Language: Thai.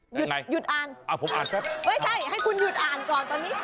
ยังไงอ้าวผมอ่านแป๊บเอ้ยให้คุณหยุดอ่านก่อนตอนนี้